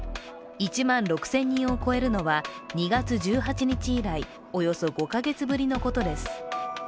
１万６０００人を超えるのは２月１８日以来およそ５カ月ぶりのことです。